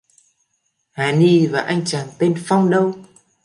Hà ni và anh chàng tên phong đâu